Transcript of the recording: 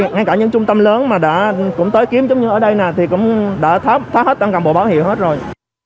ngay cả những trung tâm lớn mà đã cũng tới kiếm giống như ở đây nè thì cũng đã thoát hết đang cầm bộ báo hiệu hết rồi